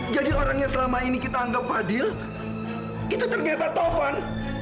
jadi orang yang selama ini kita anggap fadil itu ternyata taufan